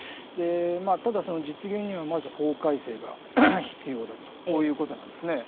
ただ、その実現にはまず法改正が必要だと、こういうことなんですね。